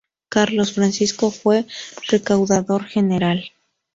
Carlos Francisco fue recaudador general.